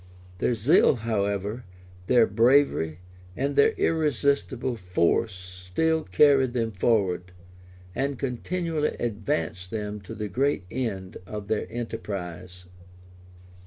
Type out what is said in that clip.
Their zeal, however, their bravery, and their irresistible force still carried them forward, and continually advanced them to the great end of their enterprise.